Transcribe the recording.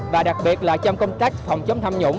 và đặc biệt là trong công tác phòng chống tham nhũng